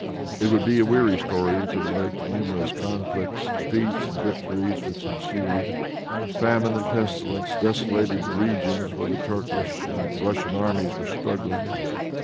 It would be a weary story to relate the numerous conflicts, defeats and victories which ensued. Famine and pestilence desolated the regions where the Turkish and Russian armies were struggling.